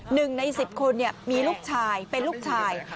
หนึ่งในสิบคนมีลูกชายเป็นลูกชาย